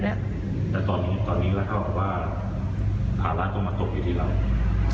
แต่ตอนนี้ก็เท่าว่าภาระต้องมาตกอยู่ที่เรา